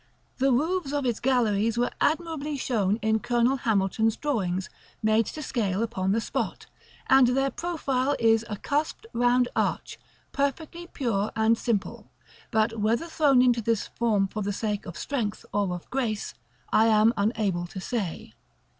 The roofs of its galleries were admirably shown in Colonel Hamilton's drawings made to scale upon the spot, and their profile is a cusped round arch, perfectly pure and simple; but whether thrown into this form for the sake of strength or of grace, I am unable to say.